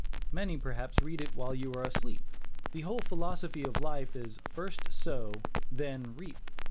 Many, perhaps, read it while you are asleep. The whole philosophy of life is, first "sow," then "reap."